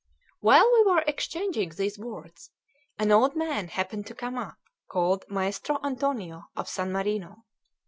While we were exchanging these words, an old man happened to come up, called Maestro Antonio, of San Marino.